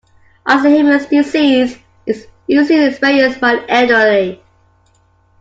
Alzheimer’s disease is usually experienced by the elderly.